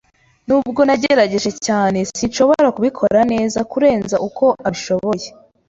Nubwo nagerageje cyane, sinshobora kubikora neza kurenza uko abishoboye.